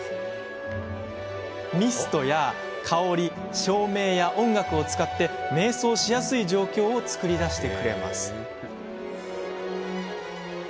ミストや香り、照明や音楽を使い瞑想しやすい状況を作り出してくれます。